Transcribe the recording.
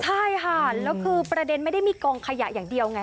ใช่ค่ะแล้วคือประเด็นไม่ได้มีกองขยะอย่างเดียวไง